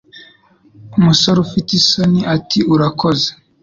Umusore ufite isoni ati Urakoze